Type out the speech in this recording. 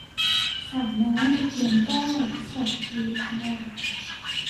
สาวน้อยในตะเกียงแก้ว - โสภี พรรณราย